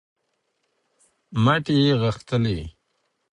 مټې یې غښتلې